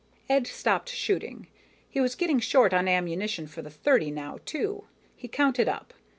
Ed stopped shooting. He was getting short on ammunition for the .30 now, too. He counted up.